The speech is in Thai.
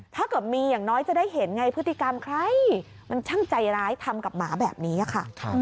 ถ้าเกิดมีอย่างน้อยจะได้เห็นไงพฤติกรรมใครมันช่างใจร้ายทำกับหมาแบบนี้ค่ะ